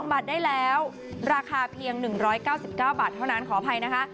บาทได้แล้วราคาเพียง๑๙๙บาทเท่านั้นขออภัยนะคะ